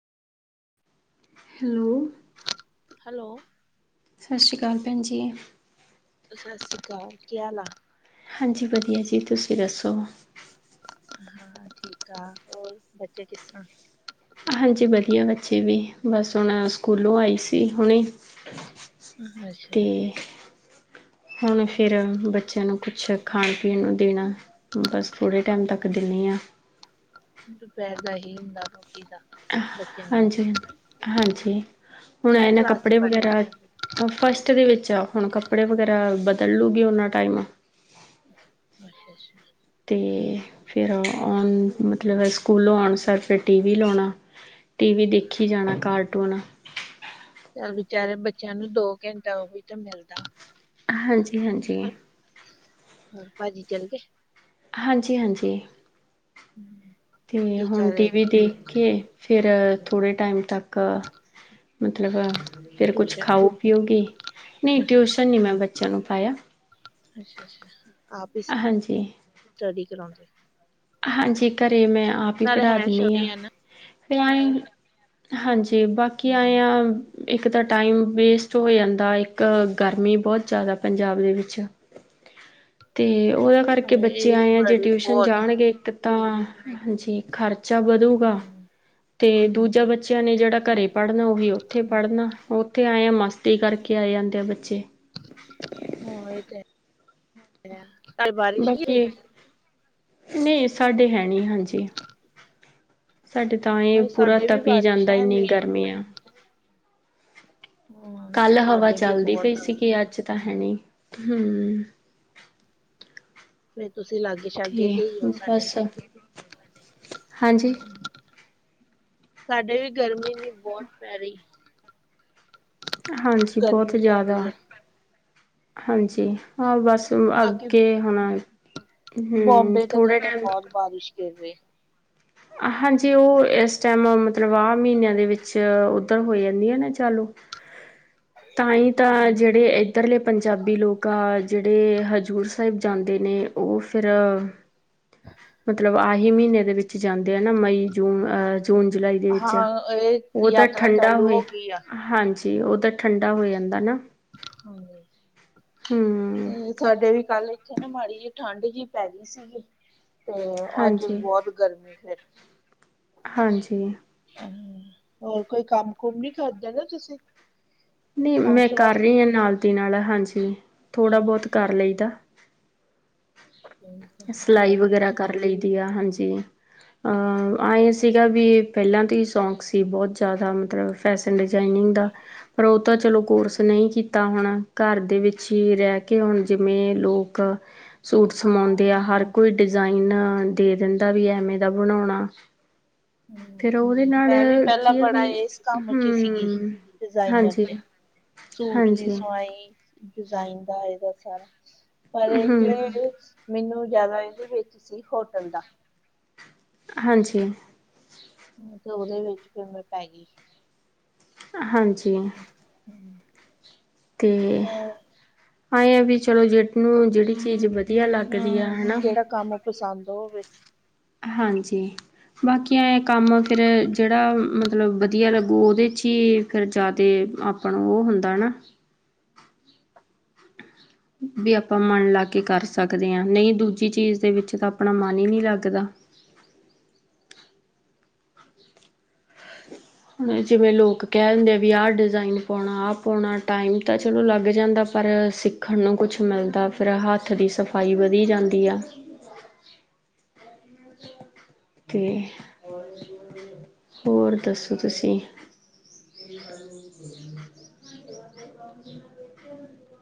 Hello hello, ਸਤਿ ਸ਼੍ਰੀ ਅਕਾਲ, ਭੈਣ ਜੀ। ਸਸ ਸ੍ਰੀ ਕਾਲ, ਕੀ ਹਾਲ ਆ। ਹਾਂਜੀ ਵਧੀਆ ਜੀ ਤੁਸੀਂ ਦੱਸੋ। ਹਾਂ ਠੀਕ ਆ ਹੋਰ ਬੱਚੇ ਕਿਸਰਾ। ਹਾਂਜੀ ਵਧੀਆ ਬੱਚੇ ਵੀ ਬਸ ਹੁਣ ਸਕੂਲੋਂ ਆਈ ਸੀ ਹੁਣੇ। ਤੇ ਅੱਛਾ। ਹੁਣ ਫਿਰ ਬੱਚਿਆਂ ਨੂੰ ਕੁਛ ਖਾਣ ਪੀਣ ਨੂੰ ਦੇਣਾ। ਬਸ ਥੋੜ੍ਹੇ ਟਾਈਮ ਤੱਕ ਦਿੰਦੀ ਹਾਂ। ਦੁਪਹਿਰ ਦਾ ਹੀ ਹੁੰਦਾ ਰੋਟੀ ਦਾ। ਬੱਚਿਆਂ ਦਾ ਹਾਂਜੀ-ਹਾਂਜੀ, ਹੁਣ ਕਿਹੜੀ ਇਹ ਨਾ ਕਲਾਸ ਚ ਕੱਪੜੇ ਪੜ੍ਹਦੇ ਵਗੈਰਾ ਫਸਟ ਦੇ ਵਿੱਚ ਆ, ਹੁਣ ਕੱਪੜੇ ਵਗੈਰਾ ਬਦਲ ਲੂਗੀ ਉਹਨਾ ਟਾਈਮ। ਅੱਛਾ-ਅੱਛਾ। ਤੇ ਫੇਰ ਆਉਣ ਮਤਲਬ ਸਕੂਲੋਂ ਆਉਣ ਸਾਰ ਫਿਰ ਟੀ ਵੀ ਲਾਉਣਾ, ਟੀ ਵੀ ਦੇਖੀ ਜਾਣਾ ਕਾਰਟੂਨ। ਚੱਲ ਵਿਚਾਰੇ ਬੱਚਿਆਂ ਨੂੰ ਦੋ ਘੰਟਾ ਉਹ ਵੀ ਤਾਂ ਮਿਲਦਾ। ਹਾਂਜੀ-ਹਾਂਜੀ ਹੋਰ ਭਾਜੀ ਚਲ ਗੇ। ਹਾਂਜੀ-ਹਾਂਜੀ ਹੂੰ ਤੇ ਹੁਣ ਟੀ ਵੀ ਦੇਖ ਕੇ ਫਿਰ ਥੋੜ੍ਹੇ ਟਾਈਮ ਤੱਕ ਮਤਲਬ ਫਿਰ ਕੁਝ ਟਿਊਸ਼ਨ ਖਾਓ ਪੀਓਗੀ ਨਹੀਂ ਟਿਊਸ਼ਨ ਨੀ ਮੈਂ ਬੱਚਿਆਂ ਨੂੰ ਪਾਇਆ। ਅੱਛਾ-ਅੱਛਾ ਆਪ ਹੀ ਹਾਂਜੀ, ਸਟੱਡੀ ਕਰਾਉਂਦੇ। ਹਾਂਜੀ ਘਰੇ ਮੈਂ ਆਪ ਹੀ ਨਾਲੇ ਪੜ੍ਹਾ ਹੈ ਦਿੰਦੀ ਹਾਂ। ਛੋਟੇ ਆ ਨਾ ਫਿਰ ਆਏ, ਹਾਂਜੀ ਬਾਕੀ ਆਏ ਆ ਹਾਂ, ਇੱਕ ਤਾਂ ਟਾਈਮ ਵੇਸਟ ਹੋ ਜਾਂਦਾ, ਇੱਕ ਗਰਮੀ ਬਹੁਤ ਜ਼ਿਆਦਾ ਪੰਜਾਬ ਦੇ ਵਿੱਚ। ਤੇ ਉਹਦਾ ਕਰਕੇ ਬੱਚੇ ਇਹ ਵੀ ਆਏ ਆ ਜੇ ਬੜੀ ਟਿਊਸ਼ਨ ਬਹੁਤ ਜਾਣਗੇ ਇੱਕ ਤਾਂ ਹਾਂਜੀ ਖਰਚਾ ਵਧੂਗਾ ਹਾਂ ਤੇ ਦੂਜਾ ਬੱਚਾ ਬੱਚਿਆਂ ਨੇ ਜਿਹੜਾ ਘਰੇ ਪੜ ਪੜ੍ਹਨਾ ਉਹੀ ਉੱਥੇ ਪੜ੍ਹਨਾ, ਉੱਥੇ ਆਏ ਆ ਮਸਤੀ ਕਰਕੇ ਆਏ ਜਾਂਦੇ ਆ ਬੱਚੇ। ਹਾਂ ਇਹ ਤੇ ਹੈ ਕੱਲ ਬਾਰਿਸ਼ ਨੀ ਹੋਈ। ਬਾਕੀ ਨਹੀਂ ਸਾਡੇ ਹੈ ਨੀ ਹਾਂਜੀ। ਸਾਡੇ ਤਾਂ ਇਹ ਹਾਏ ਪੂਰਾ ਸਾਡੇ ਵੀ ਤਪੀ ਬਾਰਿਸ਼ ਜਾਂਦਾ ਹੈ ਇੰਨੀ ਨੀ ਹੈ ਗਰਮੀ ਆ। ਹਾਂ ਕੱਲ ਹਵਾ ਸਾਡੇ ਵੀ ਚੱਲਦੀ ਪਈ ਬਹੁਤ ਆ ਸੀਗੀ ਅੱਜ ਤਾਂ ਹੈਨੀ ਹੂੰ। ਫੇਰ ਤੁਸੀਂ ਲਾਗੇ ਸ਼ਾਗੇ ਤੇ ਦੇ ਹੀ ਹੋ ਸਾਡੇ। ਬਸ ਹਾਂਜੀ ਸਾਡੇ ਵੀ ਗਰਮੀ ਨੀ ਬਹੁਤ ਪੈ ਰਹੀ। ਹਾਂਜੀ ਬੌਤ ਗਰਮੀ ਪੈ ਜਾਦਾ। ਰਹੀ ਹੈ ਹਾਂਜੀ ਹਾਂ ਬਸ ਬਾਕੀ ਅੱਗੇ ਹੁਨਾ ਹੂੰ ਬੋਂਬੇ ਤਾਂ ਥੋੜੇ ਕਹਿੰਦੇ ਟੈਮ ਬਹੁਤ ਬਾਰਿਸ਼ ਗਿਰ ਰਹੇ। ਹਾਂਜੀ, ਉਹ ਇਸ ਟਾਈਮ ਮਤਲਬ ਆਹ ਮਹੀਨਿਆਂ ਦੇ ਵਿੱਚ ਹੋ ਜਾਂਦੀਆਂ ਨਾ ਚਾਲੂ ਤਾਂ ਹੀ ਤਾਂ ਜਿਹੜੇ ਇੱਧਰਲੇ ਪੰਜਾਬੀ ਲੋਕ ਆ ਜਿਹੜੇ ਹਜ਼ੂਰ ਸਾਹਿਬ ਜਾਂਦੇ ਨੇ ਉਹ ਫੇਰ ਮਤਲਬ ਆਹੀ ਮਹੀਨੇ ਦੇ ਵਿੱਚ ਜਾਂਦੇ ਆ ਨਾ ਮਈ ਜੂਨ ਅਹ ਜੂਨ ਜੁਲਾਈ ਦੇ ਵਿੱਚ ਹਾਂ ਇਹ ਉਹ ਤਾਂ ਯਾਤਰਾ ਠੰਡਾ ਚਾਲੂ ਹੋਏ ਹੋ ਗਈ ਆ ਹਾਂਜ ਜੀ ਉਹ ਤਾਂ ਠੰਡਾ ਹੋ ਜਾਂਦਾ ਨਾ। ਹਾਂਜੀ ਹਮ ਅ ਸਾਡੇ ਵੀ ਕੱਲ ਇੱਥੇ ਨਾ ਮਾੜੀ ਜਿ ਠੰਡ ਜਿ ਪੈ ਗਈ ਸੀਗੀ। ਤੇ ਅੱਜ ਵੀ ਹਾਂਜੀ ਬੋਟ ਗਰਮੀ ਫੇਰ। ਹਾਂਜੀ। ਹ ਹੋਰ ਕੋਈ ਕੰਮ ਕੁਮ ਨੀ ਕਰਦੇ ਨਾ ਤੁਸੀ। ਨਹੀਂ ਮੈਂ ਕਰ ਰਹੀ ਹਾਂ ਨਾਲ ਦੀ ਨਾਲ ਹਾਂਜੀ। ਥੋੜ੍ਹਾ ਬਹੁਤ ਕਰ ਲਈ ਦਾ। ਮੈਂ ਸਿਲਾਈ ਵਗੈਰਾ ਕਰ ਵੀ ਲਈ ਦੀ ਆ ਹਾਂਜੀ ਆ ਇਹ ਸੀਗਾ ਵੀ ਪਹਿਲਾਂ ਤੋਂ ਹੀ ਸੌਂਕ ਸੀ ਬਹੁਤ ਜ਼ਿਆਦਾ, ਮਤਲਬ ਫੈਸ਼ਨ ਡਿਜਾਇਨਿੰਗ ਦਾ, ਪਰ ਉਹ ਤਾਂ ਚਲੋ ਕੋਰਸ ਨਹੀਂ ਕੀਤਾ। ਤਾਂ ਹੁਣ ਘਰ ਦੇ ਵਿੱਚ ਹੀ ਰਹਿ ਕੇ, ਹੁਣ ਜਿਵੇਂ ਲੋਕ। ਸੂਟ ਹਾਂ ਸਮਾਉਂਦੇ ਆ, ਹਰ ਕੋਈ ਡਿਜ਼ਾਇਨ ਦੇ ਦਿੰਦਾ ਵੀ ਐਵੇਂ ਦਾ ਬਣਾਉਣਾ। ਹੂੰ ਫਿਰ ਉਹਦੇ ਨਾਲ ਮੈਂ ਵੀ ਪਹਿਲਾਂ ਕੀ ਹੈ ਬੜਾ ਵੀ, ਇਸ ਕੰਮ ਚ ਸੀਗੀ ਹੂੰ ਡਿਜ਼ਾਇਨਰ ਚ, ਸੂਟ ਦੀ ਹਾਂਜੀ ਸਵਾਈ। ਡਿਜ਼ਾਇਨ ਦਾ ਇਹਦਾ ਸਾਰਾ, ਪਰ ਇੱਕ ਹਮ ਮੈਨੂੰ ਜ਼ਿਆਦਾ ਇਹਦੇ ਵਿੱਚ ਸੀ ਹੋਟਲ ਦਾ ਹਾਂਜੀ ਹੂੰ ਤੇ ਉਹਦੇ ਵਿੱਚ ਫੇਰ ਮੈਂ ਪੈ ਗਈ। ਹਾਂਜੀ। ਹਮ, ਤੇ ਅਹ ਅਂ ਵੀ ਚਲੋ ਜਹਨੂੰ ਜਹੜੀ ਚੀਜ਼ ਬਦ ਹਾਂ ਕਿਹੜਾ ਕੰਮ ਪਸੰਦ ਹੋਵੇ। ਹਾਂਜੀ। ਬਾਕੀ ਕੰਮ ਫਿਰ ਜਿਹੜਾ ਮਤਲਬ ਵਧੀਆ ਲੱਗੂ ਉਹਦੇ 'ਚ ਹੀ ਫਿਰ ਜ਼ਿਆਦਾ ਆਪ ਆਪਣਾ ਉਹ ਹੁੰਦਾ ਨਾ। ਵੀ ਆਪਾਂ ਮਨ ਲਾ ਕੇ ਕਰ ਸਕਦੇ ਹਾਂ ਨਹੀਂ ਦੂਜੀ ਚੀਜ਼ ਦੇ ਵਿੱਚ ਤਾਂ ਆਪਣਾ ਮਨ ਹੀ ਨਹੀਂ ਲੱਗਦਾ। ਹੁਣ ਜਿਵੇਂ ਲੋਕ ਕਹਿ ਦਿੰਦੇ ਆ ਵੀ ਆਹ ਡਿਜ਼ਾਇਨ ਪਾਉਣਾ ਆਹ ਪਾਉਣਾ ਟਾਈਮ ਤਾਂ ਚਲੋ ਲੱਗ ਜਾਂਦਾ ਪਰ ਸਿੱ ਖਣ ਨੂੰ ਕੁਛ ਮਿਲਦਾ ਫਿਰ ਹੱਥ ਦੀ ਸਫਾਈ ਵਧੀ ਜਾਂਦੀ ਆ। ਤੇ ਹੋਰ ਦੱਸੋ ਤੁਸੀਂ?